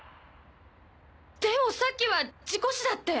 でもさっきは事故死だって。